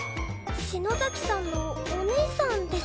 篠崎さんのお姉さんですか？